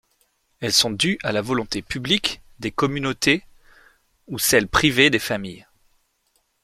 Elles sont dues à la volonté publique des communautés ou celle privée des familles.